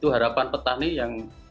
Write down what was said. itu harapan petani yang diharapkan